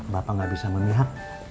bapak gak bisa memihak